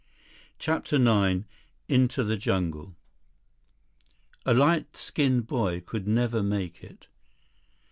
64 CHAPTER IX Into the Jungle A light skinned boy could never make it.